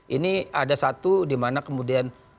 ini ada satu di mana kemudian